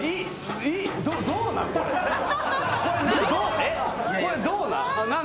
えっこれどうなん？